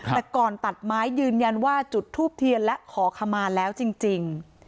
แต่ก่อนตัดไม้ยืนยันว่าจุดทูบเทียนและขอขมาแล้วจริง